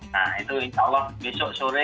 nah itu insya allah besok sore